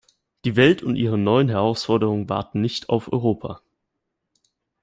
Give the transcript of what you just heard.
Die Welt und ihre neuen Herausforderungen warten nicht auf Europa.